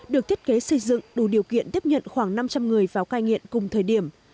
được thiết kế xây dựng đủ điều kiện tiếp nhận khoảng năm trăm linh người vào cai nghiện cùng thời điểm